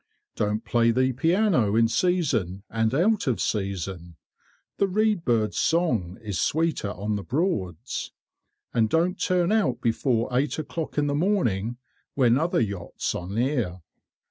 Don't play the piano in season and out of season (the reedbird's song is sweeter on the Broads); and don't turn out before eight o'clock in the morning when other yachts are near.